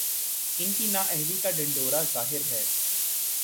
ان کی نااہلی کا ڈھنڈورا ظاہر ہے۔